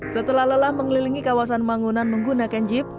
setelah lelah mengelilingi kawasan mangunan menggunakan jeep